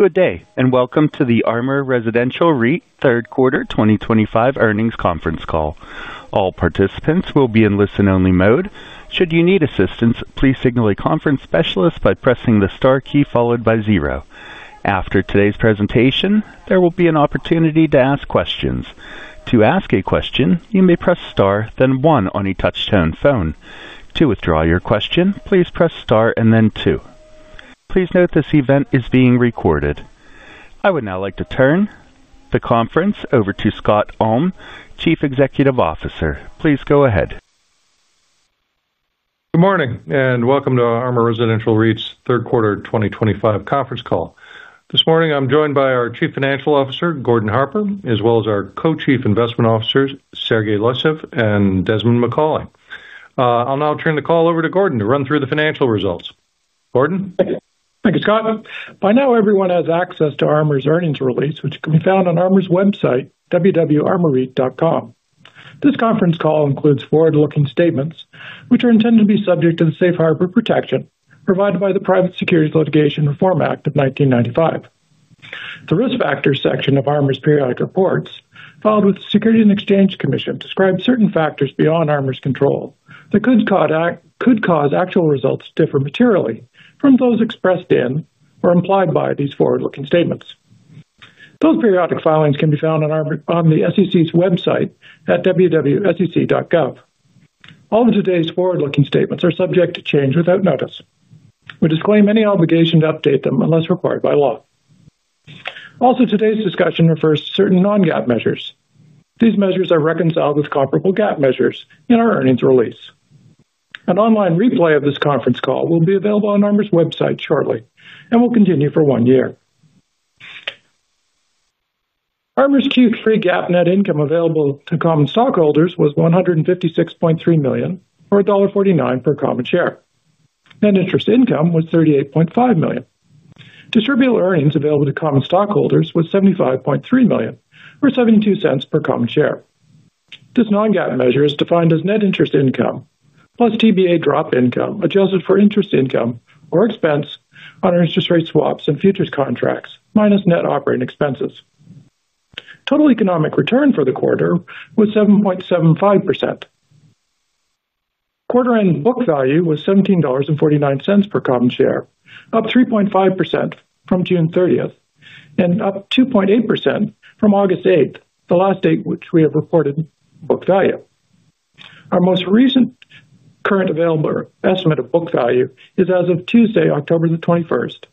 Good day, and welcome to the ARMOUR Residential REIT third quarter 2025 earnings conference call. All participants will be in listen-only mode. Should you need assistance, please signal a conference specialist by pressing the star key followed by zero. After today's presentation, there will be an opportunity to ask questions. To ask a question, you may press star, then one on a touch-tone phone. To withdraw your question, please press star and then two. Please note this event is being recorded. I would now like to turn the conference over to Scott Ulm, Chief Executive Officer. Please go ahead. Good morning and welcome to our ARMOUR Residential REIT's third quarter 2025 conference call. This morning, I'm joined by our Chief Financial Officer, Gordon Harper, as well as our Co-Chief Investment Officers, Sergey Losyev and Desmond Macauley. I'll now turn the call over to Gordon to run through the financial results. Gordon? Thank you, Scott. By now, everyone has access to ARMOUR's earnings release, which can be found on ARMOUR's website, www.armourreit.com. This conference call includes forward-looking statements, which are intended to be subject to the safe harbor protection provided by the Private Securities Litigation Reform Act of 1995. The risk factors section of ARMOUR's periodic reports, filed with the Securities and Exchange Commission, describes certain factors beyond ARMOUR's control that could cause actual results to differ materially from those expressed in or implied by these forward-looking statements. Those periodic filings can be found on the SEC's website at www.sec.gov. All of today's forward-looking statements are subject to change without notice. We disclaim any obligation to update them unless required by law. Also, today's discussion refers to certain non-GAAP measures. These measures are reconciled with comparable GAAP measures in our earnings release. An online replay of this conference call will be available on ARMOUR's website shortly and will continue for one year. ARMOUR's Q3 GAAP net income available to common stockholders was $156.3 million, or $1.49 per common share. Net interest income was $38.5 million. Distributed earnings available to common stockholders was $75.3 million, or $0.72 per common share. This non-GAAP measure is defined as net interest income plus TBA drop income adjusted for interest income or expense on our interest rate swaps and futures contracts minus net operating expenses. Total economic return for the quarter was 7.75%. Quarter-end book value was $17.49 per common share, up 3.5% from June 30th and up 2.8% from August 8th, the last date which we have reported book value. Our most recent current available estimate of book value is as of Tuesday, October 21st,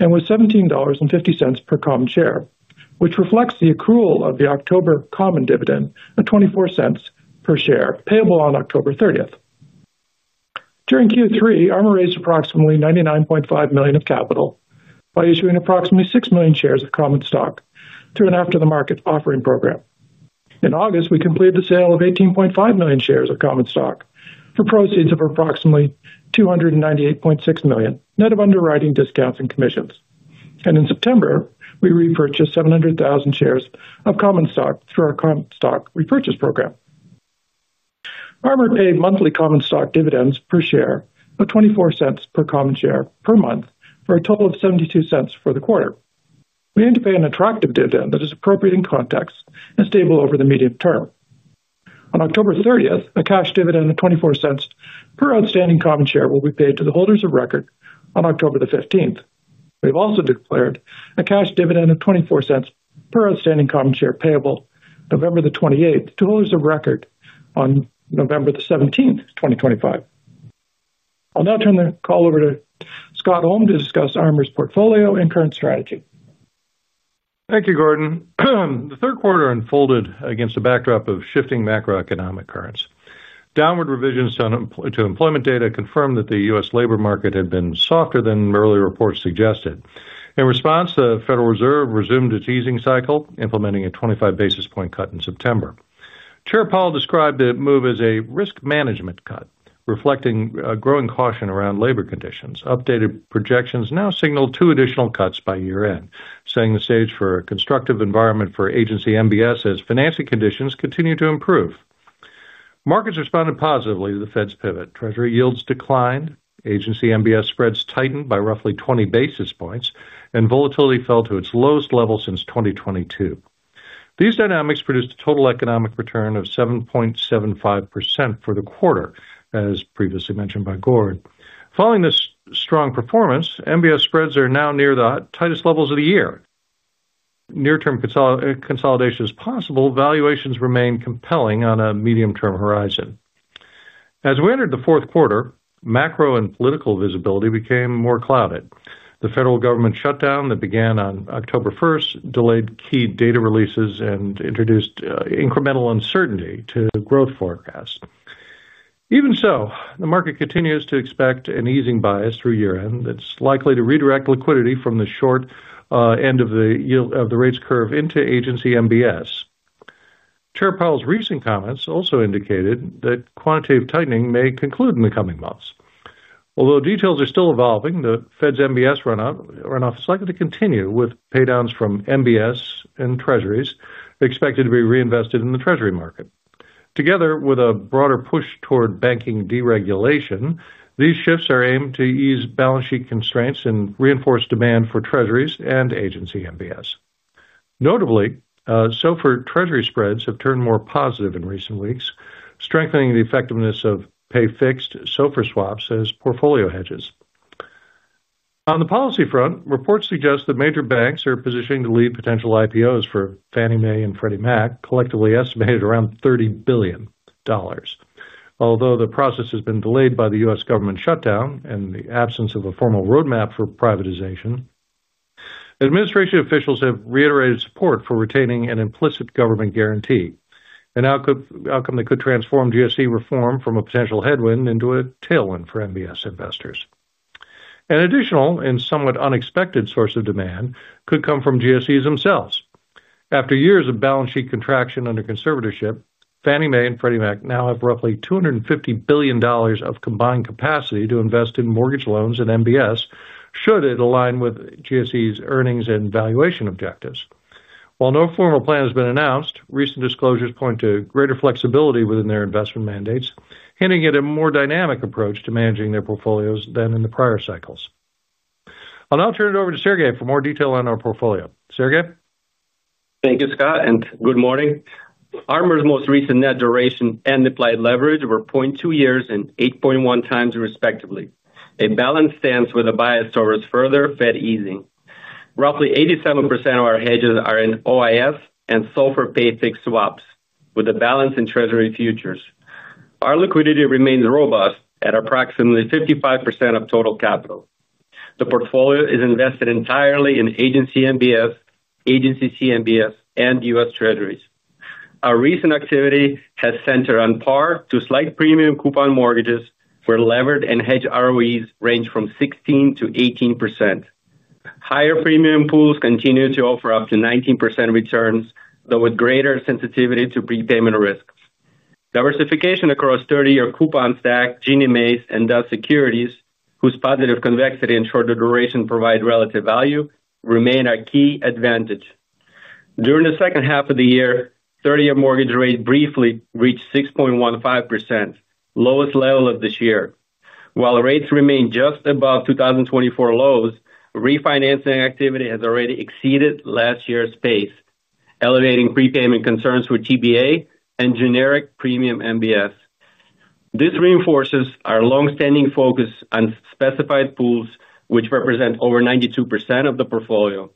and was $17.50 per common share, which reflects the accrual of the October common dividend of $0.24 per share payable on October 30th. During Q3, ARMOUR raised approximately $99.5 million of capital by issuing approximately 6 million shares of common stock through an at-the-market offering program. In August, we completed the sale of 18.5 million shares of common stock for proceeds of approximately $298.6 million net of underwriting discounts and commissions. In September, we repurchased 700,000 shares of common stock through our common stock repurchase program. ARMOUR paid monthly common stock dividends per share of $0.24 per common share per month for a total of $0.72 for the quarter. We aim to pay an attractive dividend that is appropriate in context and stable over the medium term. On October 30th, a cash dividend of $0.24 per outstanding common share will be paid to the holders of record on October 15th. We've also declared a cash dividend of $0.24 per outstanding common share payable November 28th to holders of record on November 17th, 2025. I'll now turn the call over to Scott Ulm to discuss ARMOUR's portfolio and current strategy. Thank you, Gordon. The third quarter unfolded against a backdrop of shifting macroeconomic currents. Downward revisions to employment data confirmed that the U.S. labor market had been softer than earlier reports suggested. In response, the Federal Reserve resumed its easing cycle, implementing a 25 basis point cut in September. Chair Powell described the move as a risk management cut, reflecting growing caution around labor conditions. Updated projections now signal two additional cuts by year-end, setting the stage for a constructive environment for agency MBS as financing conditions continue to improve. Markets responded positively to the Fed's pivot. Treasury yields declined, agency MBS spreads tightened by roughly 20 basis points, and volatility fell to its lowest level since 2022. These dynamics produced a total economic return of 7.75% for the quarter, as previously mentioned by Gordon. Following this strong performance, MBS spreads are now near the tightest levels of the year. Near-term consolidation is possible, and valuations remain compelling on a medium-term horizon. As we entered the fourth quarter, macro and political visibility became more clouded. The federal government shutdown that began on October 1st delayed key data releases and introduced incremental uncertainty to growth forecasts. Even so, the market continues to expect an easing bias through year-end that's likely to redirect liquidity from the short end of the rates curve into agency MBS. Chair Powell's recent comments also indicated that quantitative tightening may conclude in the coming months. Although details are still evolving, the Fed's MBS runoff is likely to continue with paydowns from MBS and Treasuries expected to be reinvested in the Treasury market. Together with a broader push toward banking deregulation, these shifts are aimed to ease balance sheet constraints and reinforce demand for Treasuries and agency MBS. Notably, SOFR Treasury spreads have turned more positive in recent weeks, strengthening the effectiveness of pay-fixed SOFR swaps as portfolio hedges. On the policy front, reports suggest that major banks are positioning to lead potential IPOs for Fannie Mae and Freddie Mac, collectively estimated around $30 billion. Although the process has been delayed by the U.S. government shutdown and the absence of a formal roadmap for privatization, administration officials have reiterated support for retaining an implicit government guarantee, an outcome that could transform GSE reform from a potential headwind into a tailwind for MBS investors. An additional and somewhat unexpected source of demand could come from GSEs themselves. After years of balance sheet contraction under conservatorship, Fannie Mae and Freddie Mac now have roughly $250 billion of combined capacity to invest in mortgage loans and MBS should it align with GSEs' earnings and valuation objectives. While no formal plan has been announced, recent disclosures point to greater flexibility within their investment mandates, hinting at a more dynamic approach to managing their portfolios than in the prior cycles. I'll now turn it over to Sergey for more detail on our portfolio. Sergey? Thank you, Scott, and good morning. ARMOUR's most recent net duration and applied leverage were 0.2 years and 8.1 times, respectively, a balanced stance with a bias towards further Fed easing. Roughly 87% of our hedges are in OIS and SOFR pay-fixed swaps, with a balance in Treasury futures. Our liquidity remains robust at approximately 55% of total capital. The portfolio is invested entirely in agency mortgage-backed securities, agency commercial MBS, and U.S. Treasuries. Our recent activity has centered on par to slight premium coupon mortgages where levered and hedged ROEs range from 16%-18%. Higher premium pools continue to offer up to 19% returns, though with greater sensitivity to prepayment risks. Diversification across 30-year coupon stack, Ginnie Mae, and Dutch securities, whose positive convexity and shorter duration provide relative value, remain a key advantage. During the second half of the year, 30-year mortgage rate briefly reached 6.15%, the lowest level of this year. While rates remain just above 2024 lows, refinancing activity has already exceeded last year's pace, elevating prepayment concerns for TBA and generic premium mortgage-backed securities. This reinforces our longstanding focus on specified pools, which represent over 92% of the portfolio.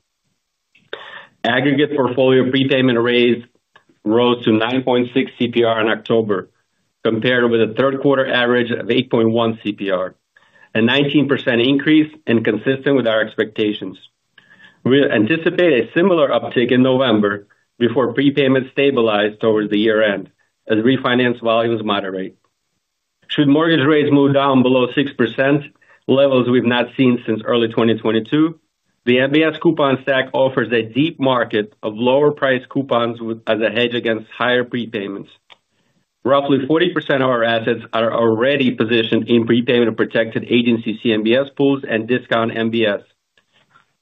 Aggregate portfolio prepayment rates rose to 9.6 CPR in October, compared with a third-quarter average of 8.1 CPR, a 19% increase and consistent with our expectations. We anticipate a similar uptick in November before prepayments stabilize towards the year-end as refinance volumes moderate. Should mortgage rates move down below 6%, levels we've not seen since early 2022, the mortgage-backed securities coupon stack offers a deep market of lower-priced coupons as a hedge against higher prepayments. Roughly 40% of our assets are already positioned in prepayment-protected agency commercial MBS pools and discount mortgage-backed securities.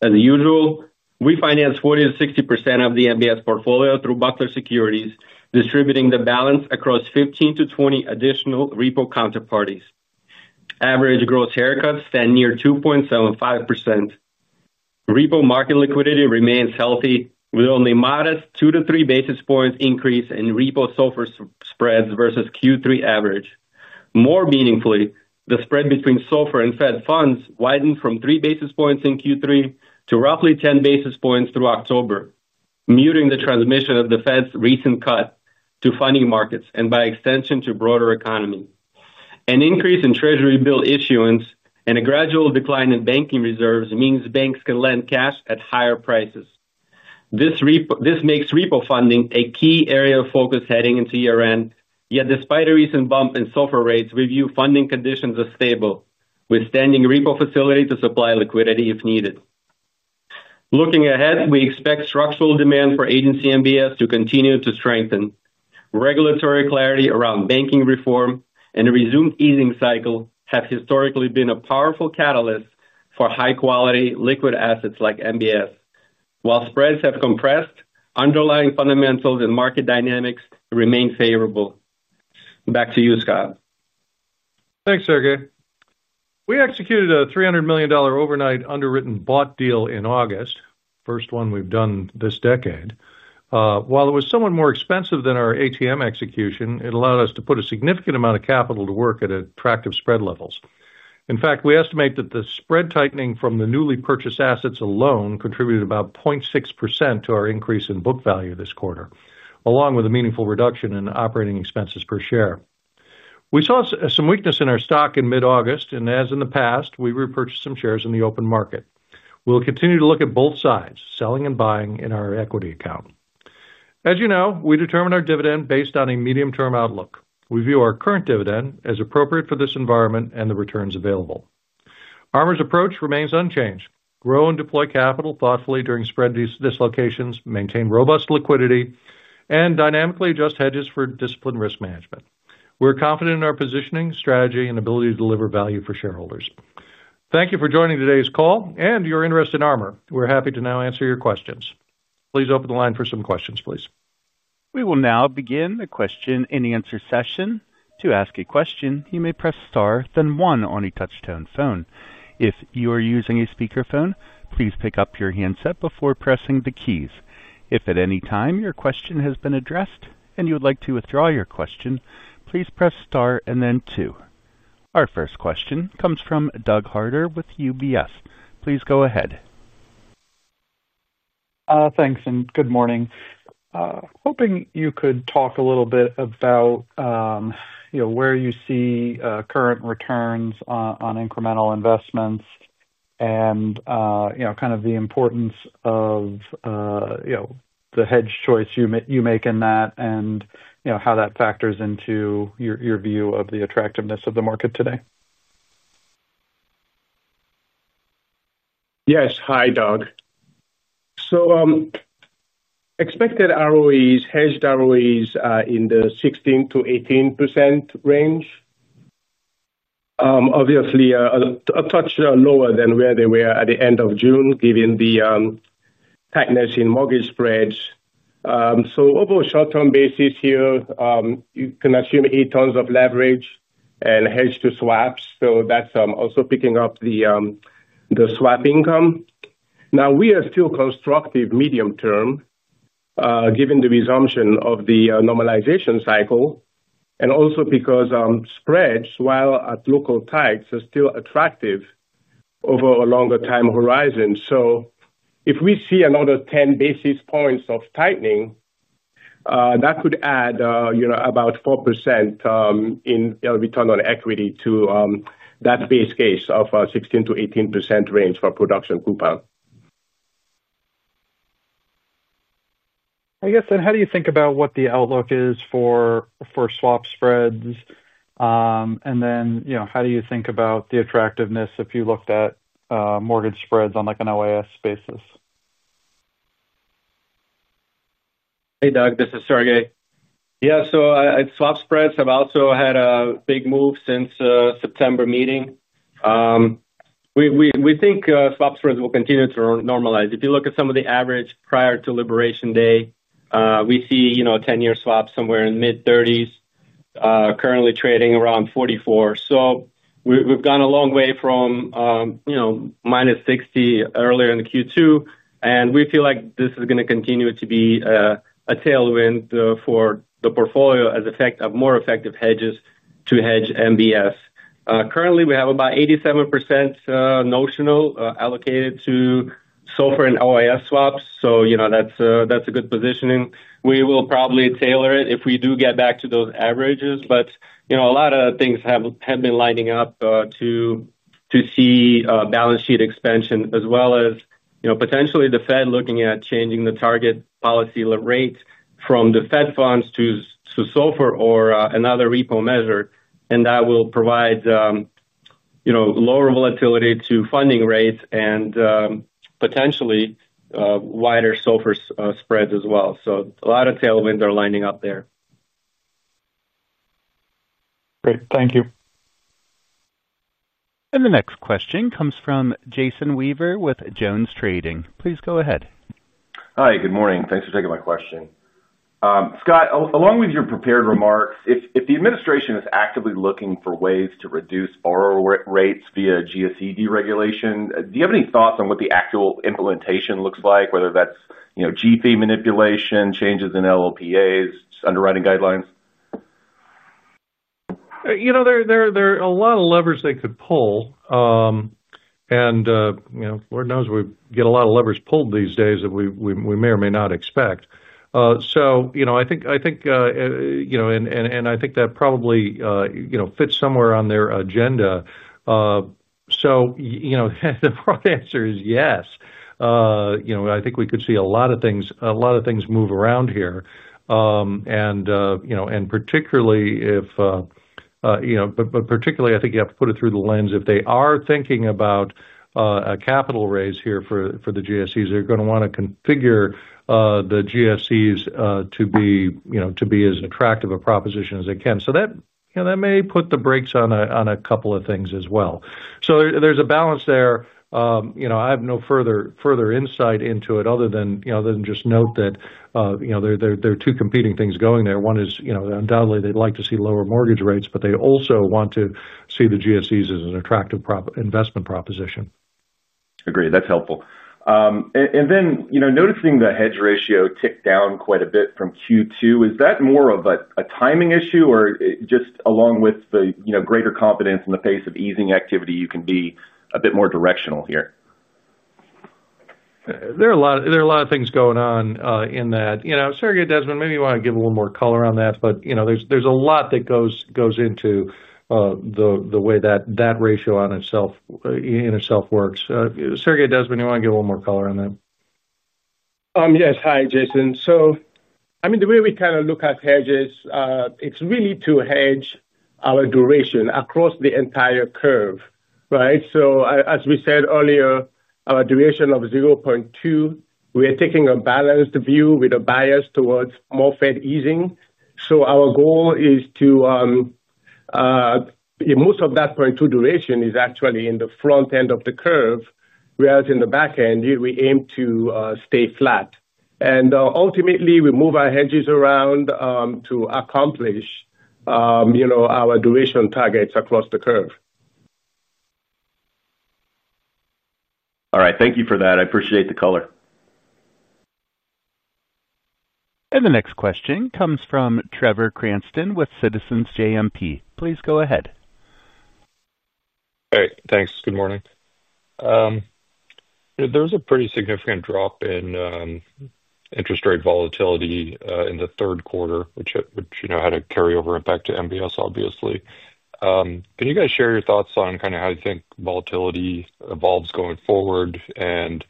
As usual, we finance 40%-60% of the mortgage-backed securities portfolio through buckler securities, distributing the balance across 15 to 20 additional repo counterparties. Average gross haircuts stand near 2.75%. Repo market liquidity remains healthy, with only a modest 2 to 3 basis points increase in repo SOFR spreads versus third-quarter average. More meaningfully, the spread between SOFR and Fed funds widened from 3 basis points in the third quarter to roughly 10 basis points through October, muting the transmission of the Fed's recent cut to funding markets and, by extension, to the broader economy. An increase in Treasury bill issuance and a gradual decline in banking reserves mean banks can lend cash at higher prices. This makes repo funding a key area of focus heading into year-end. Yet, despite a recent bump in SOFR rates, we view funding conditions as stable, with standing repo facilities to supply liquidity if needed. Looking ahead, we expect structural demand for agency mortgage-backed securities to continue to strengthen. Regulatory clarity around banking reform and a resumed easing cycle have historically been a powerful catalyst for high-quality liquid assets like mortgage-backed securities. While spreads have compressed, underlying fundamentals and market dynamics remain favorable. Back to you, Scott. Thanks, Sergey. We executed a $300 million overnight underwritten bought deal in August, the first one we've done this decade. While it was somewhat more expensive than our ATM execution, it allowed us to put a significant amount of capital to work at attractive spread levels. In fact, we estimate that the spread tightening from the newly purchased assets alone contributed about 0.6% to our increase in book value this quarter, along with a meaningful reduction in operating expenses per share. We saw some weakness in our stock in mid-August, and as in the past, we repurchased some shares in the open market. We'll continue to look at both sides, selling and buying in our equity account. As you know, we determine our dividend based on a medium-term outlook. We view our current dividend as appropriate for this environment and the returns available. ARMOUR's approach remains unchanged: grow and deploy capital thoughtfully during spread dislocations, maintain robust liquidity, and dynamically adjust hedges for disciplined risk management. We're confident in our positioning, strategy, and ability to deliver value for shareholders. Thank you for joining today's call and your interest in ARMOUR. We're happy to now answer your questions. Please open the line for some questions, please. We will now begin the question-and-answer session. To ask a question, you may press star, then one on a touch-tone phone. If you are using a speakerphone, please pick up your handset before pressing the keys. If at any time your question has been addressed and you would like to withdraw your question, please press star and then two. Our first question comes from Doug Harter with UBS. Please go ahead. Thanks, and good morning. Hoping you could talk a little bit about where you see current returns on incremental investments and the importance of the hedge choice you make in that and how that factors into your view of the attractiveness of the market today. Yes, hi, Doug. Expected ROEs, hedged ROEs in the 16%-18% range. Obviously, a touch lower than where they were at the end of June, given the tightness in mortgage spreads. Over a short-term basis here, you can assume eight times of leverage and hedge to swaps, so that's also picking up the swap income. We are still constructive medium term, given the resumption of the normalization cycle and also because spreads, while at local tights, are still attractive over a longer time horizon. If we see another 10 basis points of tightening, that could add about 4% in return on equity to that base case of 16%-18% range for production coupon. I guess, how do you think about what the outlook is for swap spreads? How do you think about the attractiveness if you looked at mortgage spreads on an OIS basis? Hey, Doug. This is Sergey. Yeah, swap spreads have also had a big move since the September meeting. We think swap spreads will continue to normalize. If you look at some of the average prior to Liberation Day, we see 10-year swaps somewhere in the mid-30s, currently trading around 44. We've gone a long way from -60 earlier in Q2, and we feel like this is going to continue to be a tailwind for the portfolio as a more effective hedge to hedge MBS. Currently, we have about 87% notional allocated to SOFR and OIS swaps, so that's a good positioning. We will probably tailor it if we do get back to those averages, but a lot of things have been lining up to see balance sheet expansion, as well as potentially the Fed looking at changing the target policy rate from the Fed funds to SOFR or another repo measure, and that will provide lower volatility to funding rates and potentially wider SOFR spreads as well. A lot of tailwinds are lining up there. Great, thank you. The next question comes from Jason Weaver with JonesTrading. Please go ahead. Hi, good morning. Thanks for taking my question. Scott, along with your prepared remarks, if the administration is actively looking for ways to reduce borrower rates via GSE deregulation, do you have any thoughts on what the actual implementation looks like, whether that's GSE manipulation, changes in LLPAs, underwriting guidelines? There are a lot of levers they could pull, and Lord knows, we get a lot of levers pulled these days that we may or may not expect. I think that probably fits somewhere on their agenda. The broad answer is yes. I think we could see a lot of things move around here, particularly if you have to put it through the lens if they are thinking about a capital raise here for the GSEs, they're going to want to configure the GSEs to be as attractive a proposition as they can. That may put the brakes on a couple of things as well. There's a balance there. I have no further insight into it other than just note that there are two competing things going there. One is, undoubtedly, they'd like to see lower mortgage rates, but they also want to see the GSEs as an attractive investment proposition. Agreed. That's helpful. Noticing the hedge ratio ticked down quite a bit from Q2, is that more of a timing issue or just along with the greater confidence in the pace of easing activity, you can be a bit more directional here? There are a lot of things going on in that. Sergey and Desmond, maybe you want to give a little more color on that. You know, there's a lot that goes into the way that ratio in itself works. Sergey and Desmond, you want to give a little more color on that? Yes, hi, Jason. The way we kind of look at hedges, it's really to hedge our duration across the entire curve, right? As we said earlier, our duration of 0.2, we are taking a balanced view with a bias towards more Fed easing. Our goal is to, most of that 0.2 duration is actually in the front end of the curve, whereas in the back end, we aim to stay flat. Ultimately, we move our hedges around to accomplish our duration targets across the curve. All right, thank you for that. I appreciate the color. The next question comes from Trevor Cranston with Citizens JMP. Please go ahead. All right, thanks. Good morning. There's a pretty significant drop in interest rate volatility in the third quarter, which had a carryover impact to MBS, obviously. Can you guys share your thoughts on kind of how you think volatility evolves going forward, and,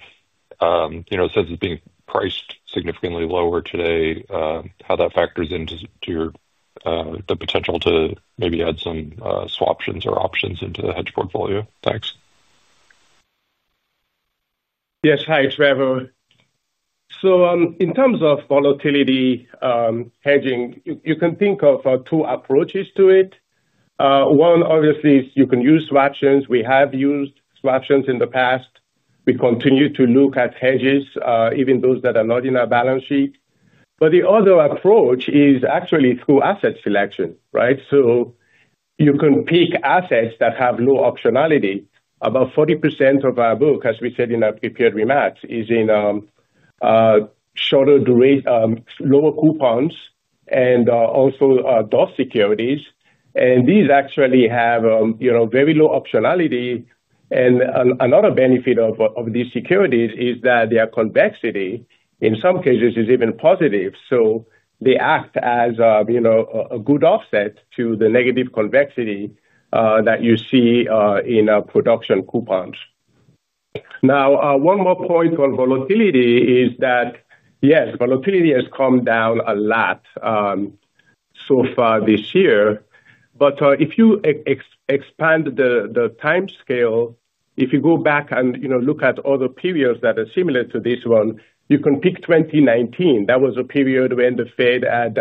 you know, since it's being priced significantly lower today, how that factors into the potential to maybe add some swaptions or options into the hedge portfolio? Thanks. Yes, hi, Trevor. In terms of volatility hedging, you can think of two approaches to it. One, obviously, is you can use swaptions. We have used swaptions in the past. We continue to look at hedges, even those that are not in our balance sheet. The other approach is actually through asset selection, right? You can pick assets that have low optionality. About 40% of our book, as we said in our prepared remarks, is in shorter duration, lower coupons, and also DOS securities. These actually have very low optionality. Another benefit of these securities is that their convexity, in some cases, is even positive. They act as a good offset to the negative convexity that you see in our production coupons. One more point on volatility is that, yes, volatility has come down a lot so far this year. If you expand the time scale, if you go back and look at other periods that are similar to this one, you can pick 2019. That was a period when the Fed had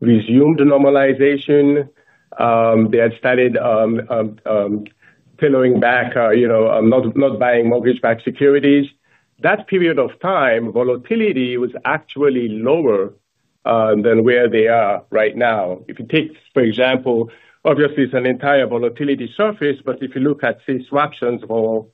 resumed normalization. They had started tailoring back, not buying mortgage-backed securities. That period of time, volatility was actually lower than where they are right now. If you take, for example, obviously, it's an entire volatility surface, but if you look at, say, swaptions for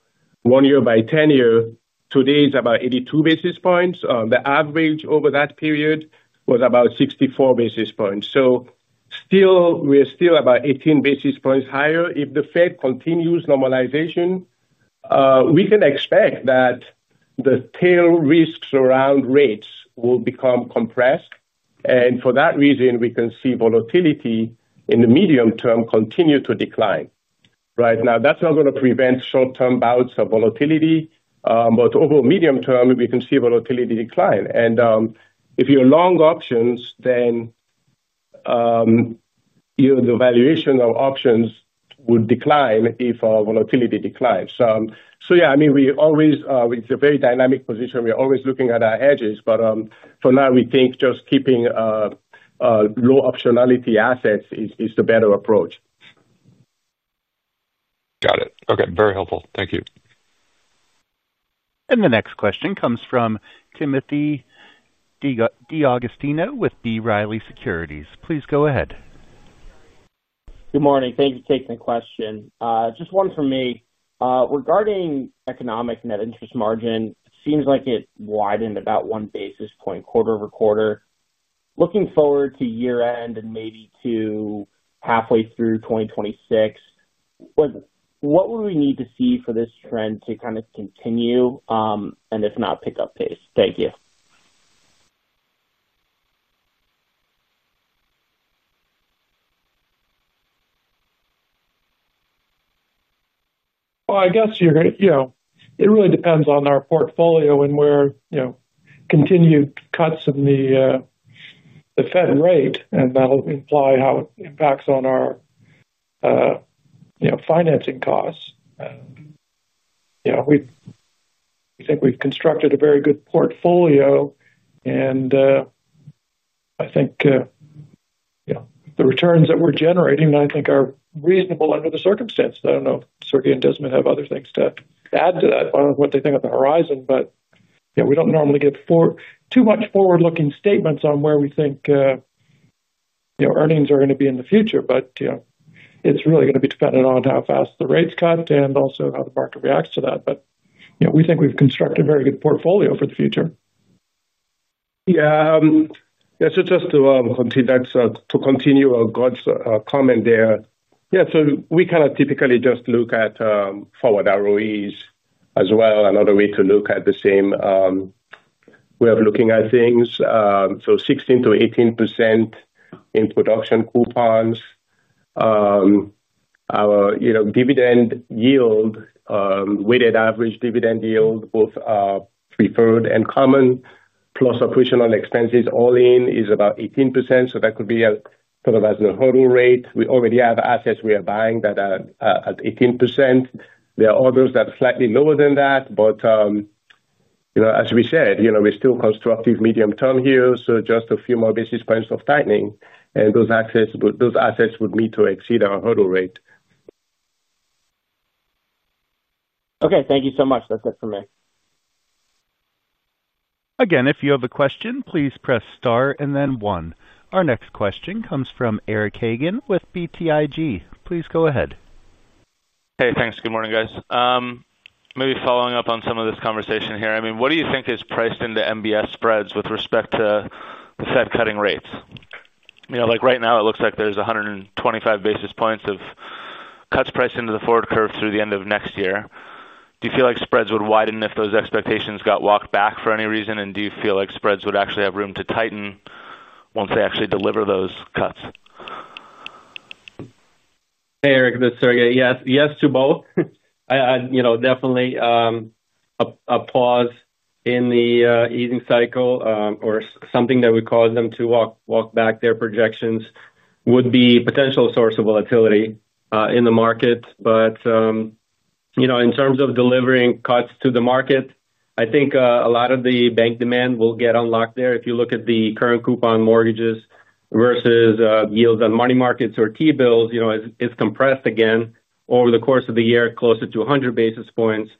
one year by tenure, today is about 82 basis points. The average over that period was about 64 basis points. We are still about 18 basis points higher. If the Fed continues normalization, we can expect that the tail risks around rates will become compressed. For that reason, we can see volatility in the medium term continue to decline. Right now, that's not going to prevent short-term bouts of volatility, but over a medium term, we can see volatility decline. If you're long options, then the valuation of options would decline if our volatility declines. We always, it's a very dynamic position. We're always looking at our hedges, but for now, we think just keeping low optionality assets is the better approach. Got it. Okay, very helpful. Thank you. The next question comes from Timothy D'Agostino with B. Riley Securities. Please go ahead. Good morning. Thank you for taking the question. Just one for me. Regarding economic net interest margin, it seems like it widened about one basis point quarter over quarter. Looking forward to year-end and maybe to halfway through 2026, what would we need to see for this trend to kind of continue, and if not, pick up pace? Thank you. It really depends on our portfolio and where continued cuts in the Fed rate happen, and that'll imply how it impacts on our financing costs. We think we've constructed a very good portfolio, and I think the returns that we're generating are reasonable under the circumstances. I don't know if Sergey and Desmond have other things to add to that, what they think of the horizon, but we don't normally get too much forward-looking statements on where we think earnings are going to be in the future. It's really going to be dependent on how fast the rates cut and also how the market reacts to that. We think we've constructed a very good portfolio for the future. Yeah, so just to continue a good comment there. We kind of typically just look at forward ROEs as well, another way to look at the same way of looking at things. 16%-18% in production coupons. Our dividend yield, weighted average dividend yield, both preferred and common plus operational expenses all in is about 18%. That could be a sort of as a hurdle rate. We already have assets we are buying that are at 18%. There are others that are slightly lower than that, but, as we said, we're still constructive medium term here. Just a few more basis points of tightening, and those assets would need to exceed our hurdle rate. Okay, thank you so much. That's it for me. Again, if you have a question, please press star and then one. Our next question comes from Eric Hagen with BTIG. Please go ahead. Hey, thanks. Good morning, guys. Maybe following up on some of this conversation here. I mean, what do you think is priced into MBS spreads with respect to the Fed cutting rates? You know, like right now, it looks like there's 125 basis points of cuts priced into the forward curve through the end of next year. Do you feel like spreads would widen if those expectations got walked back for any reason, and do you feel like spreads would actually have room to tighten once they actually deliver those cuts? Hey, Eric. This is Sergey. Yes, yes to both. Definitely a pause in the easing cycle or something that would cause them to walk back their projections would be a potential source of volatility in the market. In terms of delivering cuts to the market, I think a lot of the bank demand will get unlocked there. If you look at the current coupon mortgages versus yields on money markets or T-bills, it's compressed again over the course of the year, closer to 100 basis points.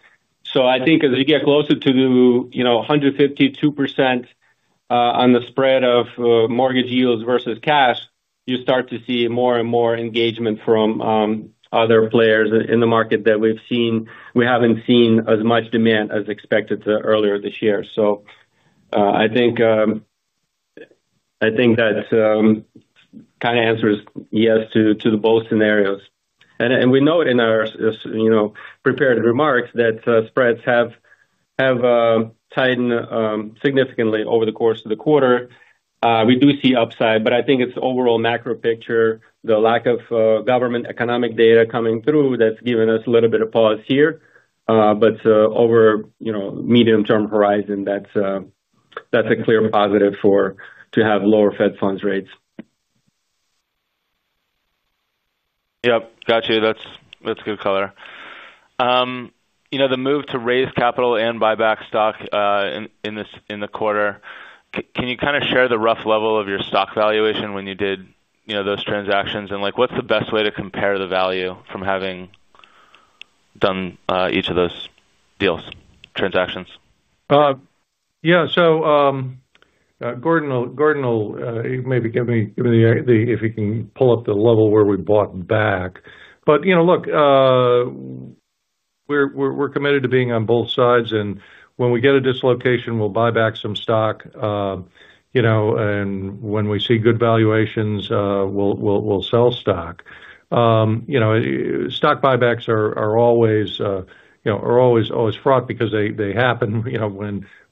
I think as you get closer to, you know, 1.52% on the spread of mortgage yields versus cash, you start to see more and more engagement from other players in the market that we've seen. We haven't seen as much demand as expected earlier this year. I think that kind of answers yes to both scenarios. We noted in our prepared remarks that spreads have tightened significantly over the course of the quarter. We do see upside, but I think it's overall macro picture, the lack of government economic data coming through that's given us a little bit of pause here. Over a medium term horizon, that's a clear positive to have lower Fed funds rates. Yep, got you. That's good color. You know, the move to raise capital and buy back stock in the quarter, can you kind of share the rough level of your stock valuation when you did those transactions? What's the best way to compare the value from having done each of those deals, transactions? Yeah. Gordon will maybe give me the, if he can pull up the level where we bought back. You know, we're committed to being on both sides, and when we get a dislocation, we'll buy back some stock. You know, when we see good valuations, we'll sell stock. Stock buybacks are always, you know, always fraught because they happen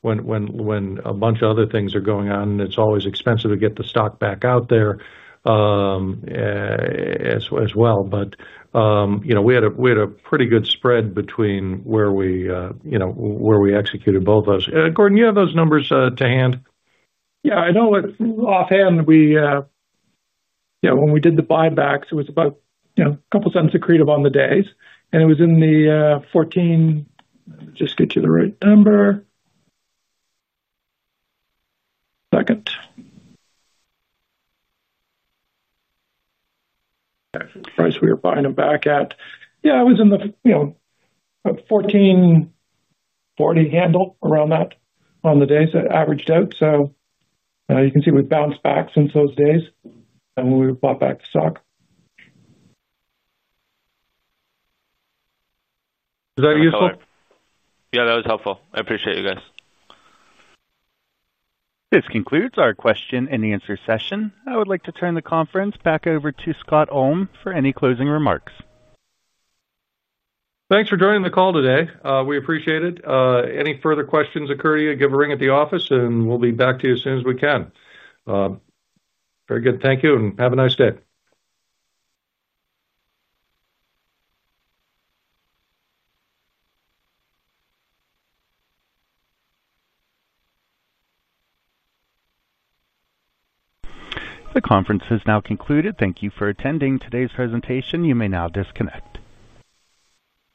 when a bunch of other things are going on, and it's always expensive to get the stock back out there as well. We had a pretty good spread between where we executed both of those. Gordon, you have those numbers to hand? Yeah, I know offhand, when we did the buybacks, it was about $0.02 a credit on the days, and it was in the $14, let me just get you the right number. Actually, the price we were buying them back at, it was about $14.40 handle, around that, on the days that averaged out. You can see we've bounced back since those days when we bought back the stock. Is that useful? Yeah, that was helpful. I appreciate it, you guys. This concludes our question-and-answer session. I would like to turn the conference back over to Scott Ulm for any closing remarks. Thanks for joining the call today. We appreciate it. Any further questions occur to you, give a ring at the office, and we'll be back to you as soon as we can. Very good. Thank you, and have a nice day. The conference has now concluded. Thank you for attending today's presentation. You may now disconnect.